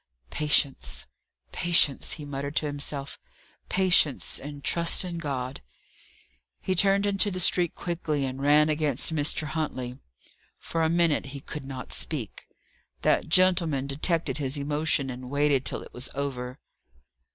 "Patience, patience," he murmured to himself; "patience, and trust in God!" He turned into the street quickly, and ran against Mr. Huntley. For a minute he could not speak. That gentleman detected his emotion, and waited till it was over.